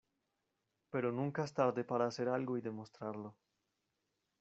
pero nunca es tarde para hacer algo y demostrarlo.